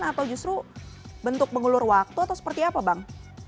atau justru bentuk mengulur waktu atau seperti apa bang